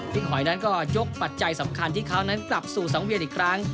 หอยนั้นก็ยกปัจจัยสำคัญที่เขานั้นกลับสู่สังเวียนอีกครั้ง